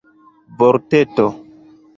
vorteto